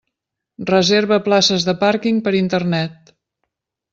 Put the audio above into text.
Reserva places de pàrquing per Internet.